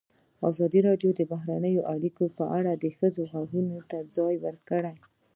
ازادي راډیو د بهرنۍ اړیکې په اړه د ښځو غږ ته ځای ورکړی.